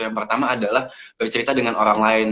yang pertama adalah bercerita dengan orang lain